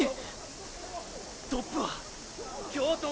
トップは京都伏見！